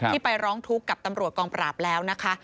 ไปร้องทุกข์กับตำรวจกองปราบแล้วนะคะ